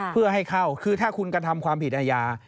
เพื่อให้เข้าคือถ้าคุณกระทำความผิดอาญา